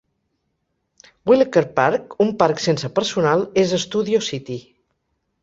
Wilacre Park, un parc sense personal, és a Studio City.